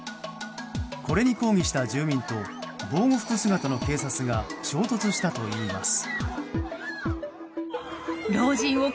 これに抗議した住民と防護服姿の警察が衝突したといいます。